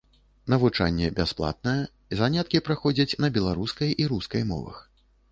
Навучанне бясплатнае, заняткі праходзяць на беларускай і рускай мовах.